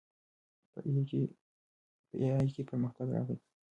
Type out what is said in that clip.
په اې ای کې پرمختګ راغلی.